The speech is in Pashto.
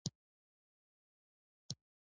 په یوه وخت کې تحمل کولی شي.